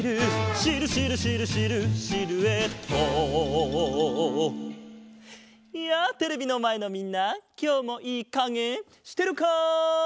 「シルシルシルシルシルエット」やあテレビのまえのみんなきょうもいいかげしてるか？